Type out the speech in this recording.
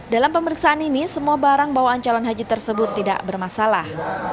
dalam pemeriksaan ini semua barang bawaan calon haji tersebut tidak bermasalah